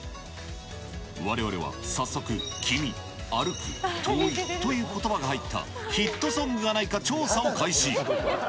われわれは早速、君、歩く、遠いということばが入ったヒットソングがないか調査を開始。